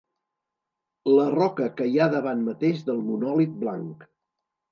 La roca que hi ha davant mateix del monòlit blanc.